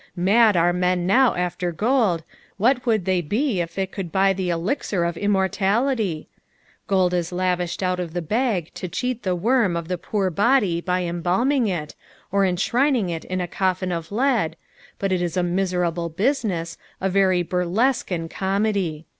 Mad are men now after gold, what would they be if it could buy the elixir of immortnlity ! Gold is lavished out of the Im^ to cheat the worm of the poor body by embalming it, or enshrining it in a coffin of lead, but it is a miseraDle business, a very burlesque and com^y.